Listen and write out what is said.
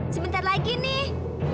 sebentar lagi nih